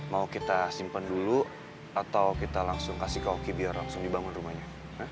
mau kita simpen dulu atau kita langsung kasih koki biar langsung dibangun rumahnya